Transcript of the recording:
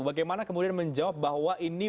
bagaimana kemudian menjawab bahwa ini